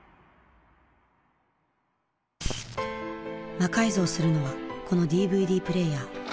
魔改造するのはこのＤＶＤプレーヤー。